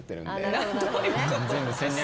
どういうこと？